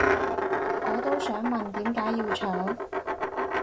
我都想問點解要搶